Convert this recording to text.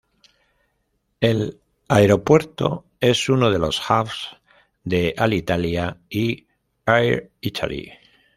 El aeropuerto es uno de los "hubs" de Alitalia y Air Italy.